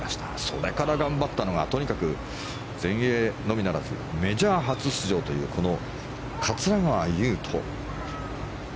それから頑張ったのがとにかく全英のみならずメジャー初出場というこの桂川有人。